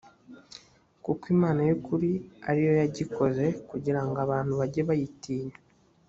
kuko imana y ukuri ari yo yagikoze kugira ngo abantu bajye bayitinya